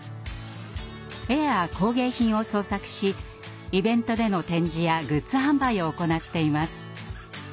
絵や工芸品を創作しイベントでの展示やグッズ販売を行っています。